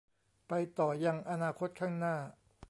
ไปต่อยังอนาคตข้างหน้า